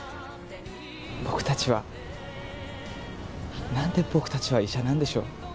「僕たちは何で僕たちは医者なんでしょう」